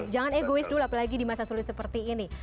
jangan egois dulu apalagi di masa sulit seperti ini